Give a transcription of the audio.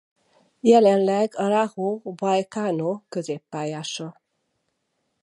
Jelenleg a Rayo Vallecano középpályása.